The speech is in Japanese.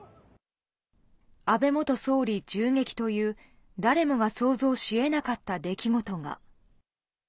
安倍元総理銃撃という、誰もが想像しえなかった出来事が。